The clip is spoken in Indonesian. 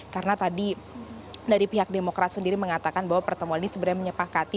karena tadi dari pihak demokrat sendiri mengatakan bahwa pertemuan ini sebenarnya menyepakati